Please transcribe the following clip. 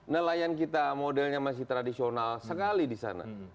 nelayan kita modelnya masih tradisional sekali di sana